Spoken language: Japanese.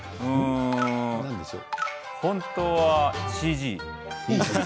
本当はＣＧ。